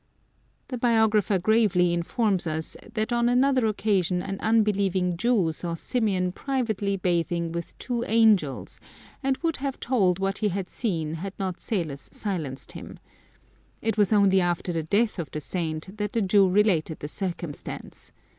The biographer gravely informs us that on another occasion an unbelieving Jew saw Symeon privately bathing with two " angels," and would have told what he had seen had not Salos silenced him. It was only after the death of the saint that the Jew related the circumstance.